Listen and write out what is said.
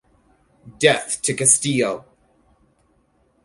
Death to Castillo!